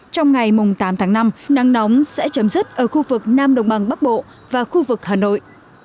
trong ngày tám tháng năm nắng nóng sẽ chấm dứt ở khu vực nam đồng bằng bắc bộ và khu vực hà nội